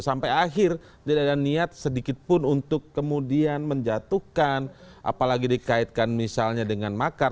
sampai akhir tidak ada niat sedikitpun untuk kemudian menjatuhkan apalagi dikaitkan misalnya dengan makar